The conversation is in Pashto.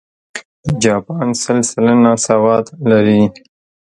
جاپان سل سلنه سواد لري.